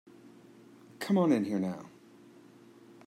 Come on in here now.